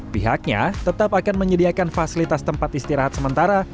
pihaknya tetap akan menyediakan fasilitas tempat istirahat sementara